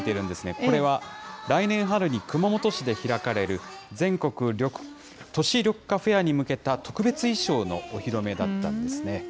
これは来年春に熊本市で開かれる全国都市緑化フェアに向けた特別衣装のお披露目だったんですね。